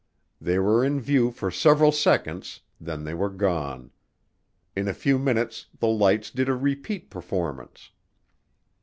They were in view for several seconds, then they were gone. In a few minutes the lights did a repeat performance.